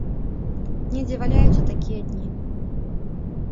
Недзе валяюцца такія дні!